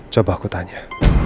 coba aku tanya